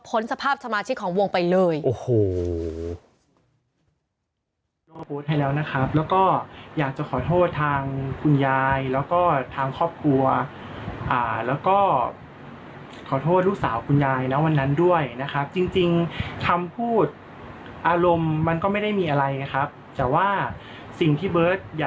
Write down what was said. สภาพสมาชิกของวงไปเลย